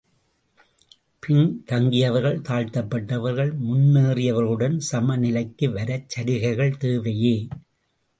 பின் தங்கியவர்கள், தாழ்த்தப்பட்டவர்கள் முன்னேறியவர்களுடன் சம நிலைக்கு வரச் சலுகைகள் தேவையே!